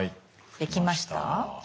できました。